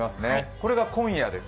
これが今夜です。